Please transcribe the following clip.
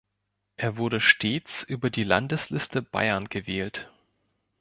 Er wurde stets über die Landesliste Bayern gewählt.